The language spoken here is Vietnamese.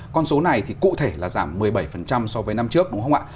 con số này thì cụ thể là giảm một mươi bảy so với năm trước đúng không ạ